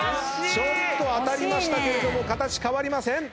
ちょっと当たりましたけれども形変わりません！